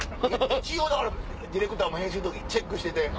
一応だからディレクターも編集の時にチェックして。